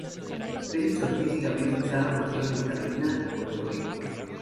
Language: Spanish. Felix Ortiz y Gabriel Pizarro nacieron en Carolina, Puerto Rico.